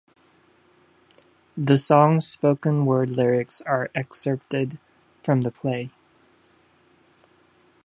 The song's spoken-word lyrics are excerpted from the play.